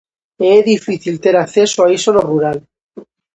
E é difícil ter acceso a iso no rural.